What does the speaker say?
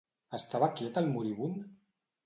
Estava quiet el moribund?